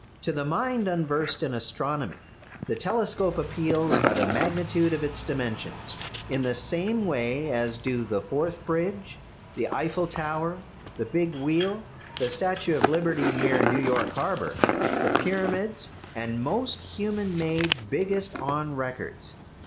To the mind unversed in astronomy the telescope appeals by the magnitude of its dimensions, in the same way as do the Forth Bridge, the Eiffel Tower, the Big Wheel, the statue of Liberty near New York harbour, the Pyramids, and most human made "biggest on records."